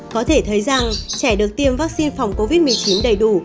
có thể thấy rằng trẻ được tiêm vaccine phòng covid một mươi chín đầy đủ